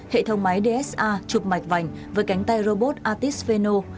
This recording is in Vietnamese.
hệ thống máy dsa chụp mạch vành với cánh tay robot atispeno